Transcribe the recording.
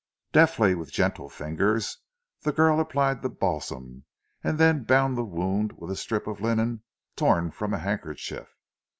Deftly, with gentle fingers, the girl applied the balsam and then bound the wound with a strip of linen torn from a handkerchief.